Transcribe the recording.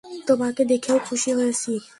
তোমাকে দেখেও খুশি হয়েছি।